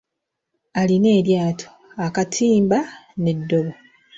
Alina eryato, akatiimba n'eddobo.